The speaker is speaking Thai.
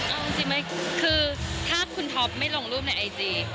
เอาจริงไหมคือถ้าคุณท็อปไม่ลงรูปในไอจี